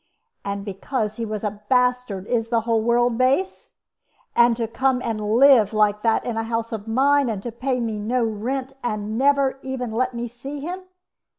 And because he was a bastard, is the whole world base? And to come and live like that in a house of mine, and pay me no rent, and never even let me see him!